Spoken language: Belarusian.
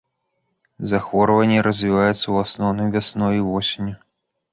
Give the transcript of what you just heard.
Захворванне развіваецца ў асноўным вясной і восенню.